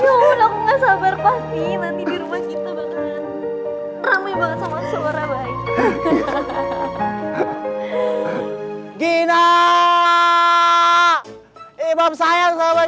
ya allah aku gak sabar pasti nanti dirumah kita bakalan ramai banget sama suara baik